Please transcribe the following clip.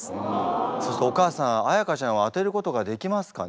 そうするとお母さん彩歌ちゃんは当てることができますかね？